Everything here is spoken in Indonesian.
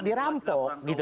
ya yang pada mandatnya